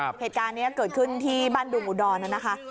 เวตการณ์เนี่ยเกิดขึ้นที่บ้านดุหมู่ดรเนี่ยนะคะ